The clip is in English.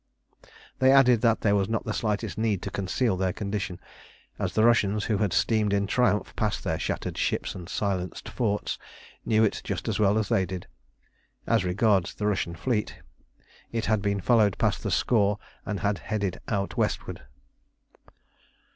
They added that there was not the slightest need to conceal their condition, as the Russians, who had steamed in triumph past their shattered ships and silenced forts, knew it just as well as they did. As regards the Russian fleet, it had been followed past the Skawe, and had headed out westward.